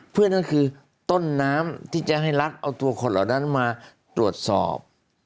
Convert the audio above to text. เพื่อนั่นคือต้นน้ำที่จะให้รัฐเอาตัวคนเหล่านั้นมาตรวจสอบ